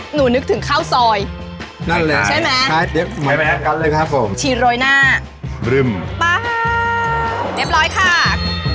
หนูนึกถึงข้าวซอยใช่ไหมชีสโรยหน้าเรียบร้อยค่ะ